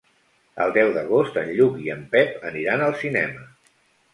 El deu d'agost en Lluc i en Pep aniran al cinema.